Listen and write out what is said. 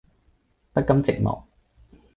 不甘寂寞